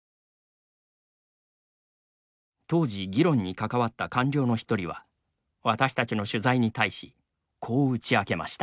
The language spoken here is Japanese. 当時、議論に関わった官僚の１人は私たちの取材に対しこう打ち明けました。